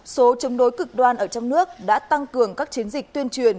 số chống đối cực đoan ở trong nước đã tăng cường các chiến dịch tuyên truyền